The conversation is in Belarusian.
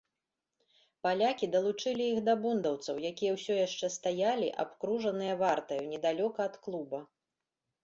Палякі далучылі іх да бундаўцаў, якія ўсё яшчэ стаялі, абкружаныя вартаю, недалёка ад клуба.